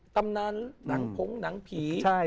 ตำนานหนังผงหนังผี